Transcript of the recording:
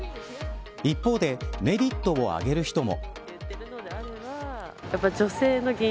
一方で、メリットを挙げる人も。